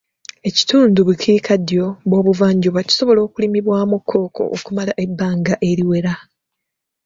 Ekitundu bukiikaddo bw'obuvanjuba kisobola okulimibwamu Kkooko okumala ebbanga eriwera.